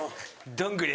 ドングリ。